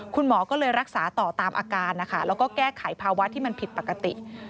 คุณหมอก็เลยรักษาต่อตามอาการนะคะแล้วก็แก้ไขภาวะที่มันผิดปกติ